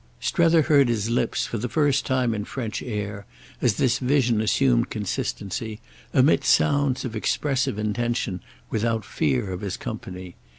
Strether heard his lips, for the first time in French air, as this vision assumed consistency, emit sounds of expressive intention without fear of his company.